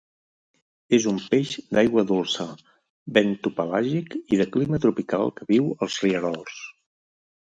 És un peix d'aigua dolça, bentopelàgic i de clima tropical que viu als rierols.